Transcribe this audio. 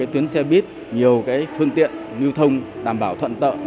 tuyến xe biếc nhiều phương tiện nưu thông đảm bảo thuận tiện